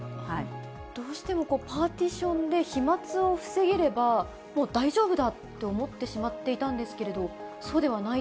どうしてもパーティションで飛まつを防げれば、もう大丈夫だって思ってしまっていたんですけれども、そうではな